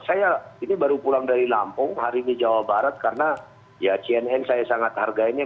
saya ini baru pulang dari lampung hari ini jawa barat karena ya cnn saya sangat hargainya